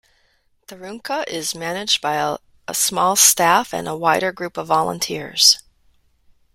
"Tharunka" is managed by a small staff and a wider group of volunteers.